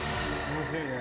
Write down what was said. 面白いね。